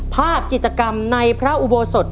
ภาพจิตกรรมในพระอุโบสถ